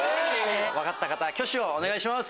分かった方は挙手をお願いします。